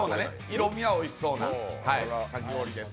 色味はおいしそうなかき氷です。